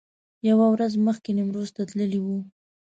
یوه ورځ مخکې نیمروز ته تللي و.